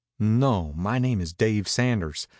"No. My name is Dave Sanders.